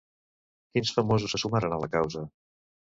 Quins famosos se sumaren a la causa?